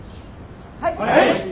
はい！